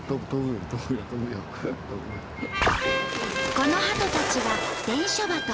このハトたちは「伝書バト」。